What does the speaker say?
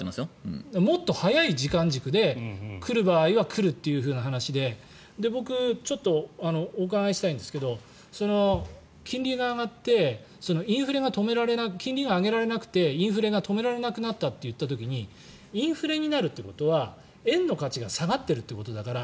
もっと早い時間軸で来る場合は来るという話で僕、お伺いしたいんですけど金利が上がって金利が上げられなくてインフレが止められなくなったという時にインフレになるってことは円の価値が下がってるってことだから